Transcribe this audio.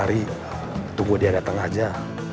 hari tunggu dia datang aja